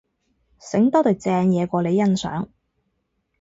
醒多隊正嘢過你欣賞